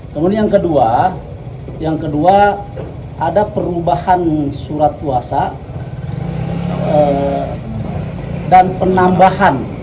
kemudian yang kedua ada perubahan surat puasa dan penambahan